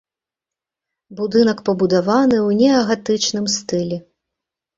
Будынак пабудаваны ў неагатычным стылі.